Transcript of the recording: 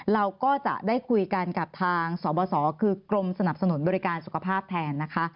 เราก็จะได้คุยกันกับทางสบสคือกรมสนับสนุนบริการสุขภาพแทนนะคะ